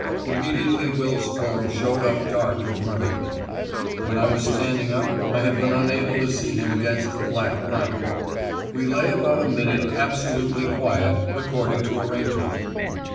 Immediately Will's form showed up dark in front of me. When I was standing up, I had been unable to see him against the black ground. We lay about a minute absolutely quiet, according to arrangement.